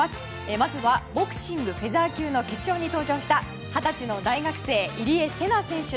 まずはボクシングフェザー級の決勝に登場した二十歳の大学生、入江聖奈選手。